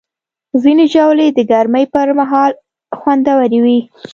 ځینې ژاولې د ګرمۍ پر مهال خوندورې وي.